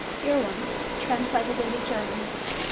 Erewhon translated into German.